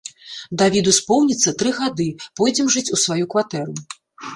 Давіду споўніцца тры гады, пойдзем жыць у сваю кватэру.